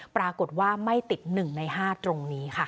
ปรากฏว่าไม่ติด๑ใน๕ตรงนี้ค่ะ